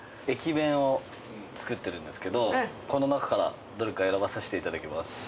駅弁を作ってるんですけどこの中からどれか選ばさせていただきます。